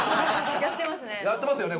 やってますね。